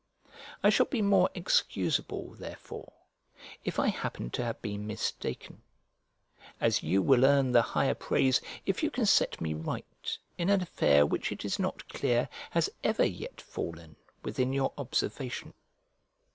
I shall be more excusable, therefore, if I happen to have been mistaken; as you will earn the higher praise if you can set me right in an affair which it is not clear has ever yet fallen within your observation.